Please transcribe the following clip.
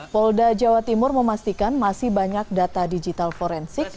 polda jawa timur memastikan masih banyak data digital forensik